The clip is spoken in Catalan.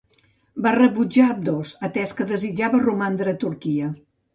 Va rebutjar ambdós, atès que desitjava romandre a Turquia.